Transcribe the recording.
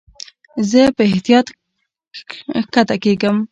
زه په احتیاط کښته کېږم.